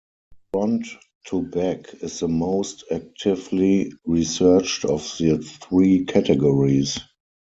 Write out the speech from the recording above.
Front-to-Back is the most actively researched of the three categories.